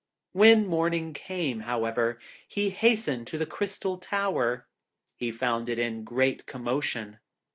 When morning came, however, he hastened to the Crystal Tower. He found it in great commotion.